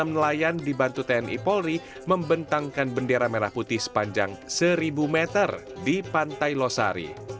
enam nelayan dibantu tni polri membentangkan bendera merah putih sepanjang seribu meter di pantai losari